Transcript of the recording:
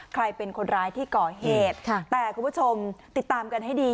ใครเป็นคนร้ายที่ก่อเหตุแต่คุณผู้ชมติดตามกันให้ดี